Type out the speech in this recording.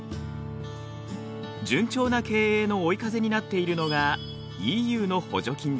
順調な経営の追い風になっているのがＥＵの補助金です。